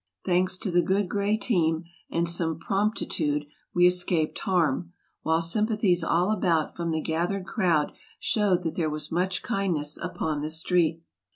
Thanks to the good gray team and some prompti tude, we escaped harm ; while sympathies all about from the gathered crowd showed that there was much kindness upon the street.